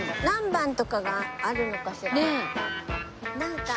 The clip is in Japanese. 何番とかがあるのかしら？